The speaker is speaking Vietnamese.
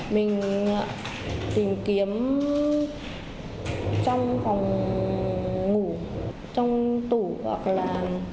mình tìm kiếm trong phòng ngủ trong tủ hoặc là